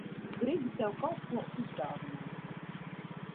Gribu tev kaut ko uzdāvināt.